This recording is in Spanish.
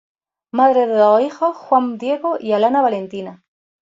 Madre de dos hijos: Juan Diego y Alana Valentina.